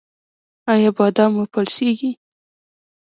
ایا بادام مو پړسیږي؟